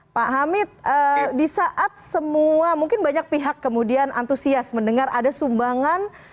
pak hamid di saat semua mungkin banyak pihak kemudian antusias mendengar ada sumbangan